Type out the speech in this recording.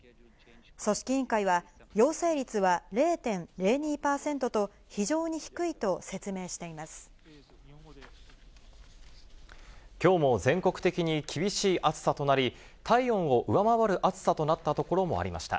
組織委員会は、陽性率は０．０２％と、非常に低いと説明していまきょうも全国的に厳しい暑さとなり、体温を上回る暑さとなった所もありました。